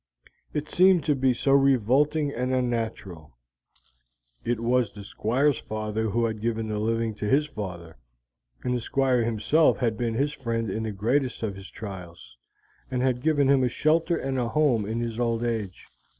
It seemed to be so revolting and unnatural. It was the Squire's father who had given the living to his father, and the Squire himself had been his friend in the greatest of his trials, and had given him a shelter and a home in his old age.